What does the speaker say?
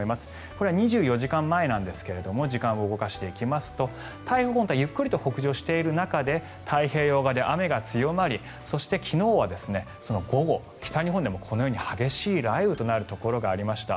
これは２４時間前なんですが時間を動かしていきますと台風本体ゆっくりと北上している中で太平洋側で雨が強まりそして昨日は午後、北日本でもこのように激しい雷雨となるところがありました。